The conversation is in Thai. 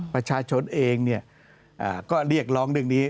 ประชาชนเองก็เรียกร้องเรื่องนี้